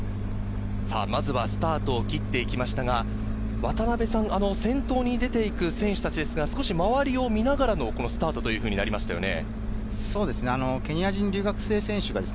まずはスタートを切っていきましたが、渡辺さん、先頭に出て行く選手たち、少し周りを見ながらのスタートというふうになりましたね。